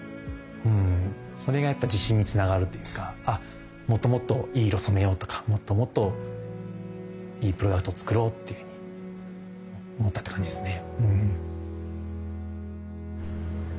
それがやっぱ自信につながるというかもっともっといい色染めようとかもっともっといいプロダクトを作ろうっていうふうに思ったって感じですね。